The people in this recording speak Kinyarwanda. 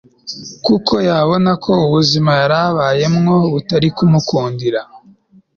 kuko yabonako ubuzima yarabayemwo butari kumukundira